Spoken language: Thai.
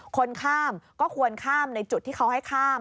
คนข้ามก็ควรข้ามในจุดที่เขาให้ข้าม